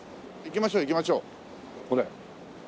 行きましょう行きましょう。